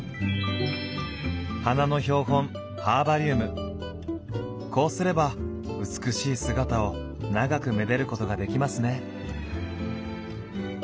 花の標本こうすれば美しい姿を長くめでることができますね。